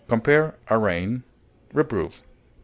Compare ARRAIGN; REPROVE.